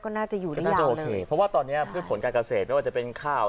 ก็น่าจะอยู่ด้วยแล้วเลยเพราะว่าตอนเนี้ยคือผลการเกษตรไม่ว่าจะเป็นข้าว